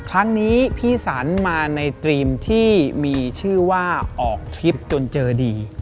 ครั้งนี้พี่สันมาในตรีมที่มีชื่อว่าออกทริปจนเจอดี